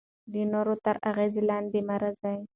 د نورو تر اغیز لاندې مه راځئ.